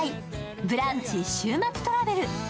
「ブランチ週末トラベル」。